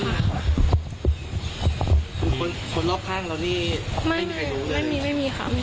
คนคนรอบข้างแล้วนี่ไม่มีไม่มีไม่มีค่ะ